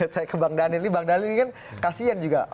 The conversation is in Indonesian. saya ke bang danili bang danili kan kasian juga